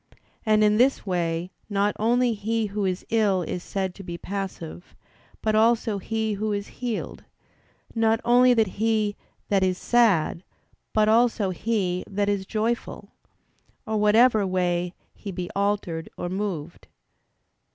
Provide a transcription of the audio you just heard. And in this way not only he who is ill is said to be passive, but also he who is healed; not only he that is sad, but also he that is joyful; or whatever way he be altered or moved.